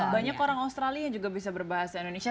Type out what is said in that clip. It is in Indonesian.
banyak orang australia juga bisa berbahasa indonesia